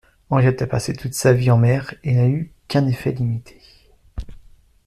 Henriette a passé toute sa vie en mer et n'a eu qu'un effet limité.